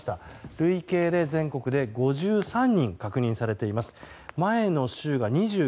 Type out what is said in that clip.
累計で、全国で５３人確認されています。